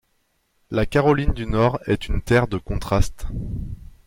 La Caroline du Nord est une terre de contrastes.